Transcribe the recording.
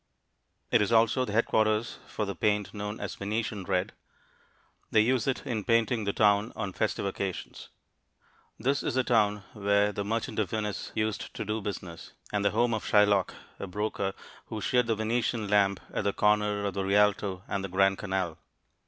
It is also the headquarters for the paint known as Venetian red. They use it in painting the town on festive occasions. This is the town where the Merchant of Venice used to do business, and the home of Shylock, a broker, who sheared the Venetian lamb at the corner of the Rialto and the Grand Canal.